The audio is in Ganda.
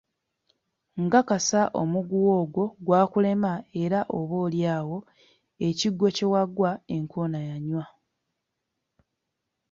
Nkakasa omuguwa ogwo gwakulema era oba oli awo ekigwo kye wagwa enkoona yanywa.